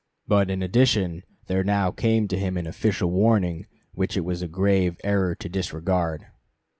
But in addition there now came to him an official warning which it was a grave error to disregard.